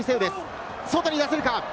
外に出せるか？